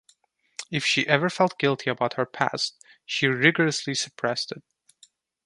If she ever felt guilt about her past, she rigorously suppressed it.